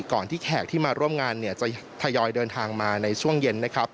ก่อนที่แขกที่มาร่วมงานจะถยอยเดินทางมาในช่วงเย็น